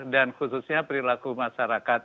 dan khususnya perilaku masyarakat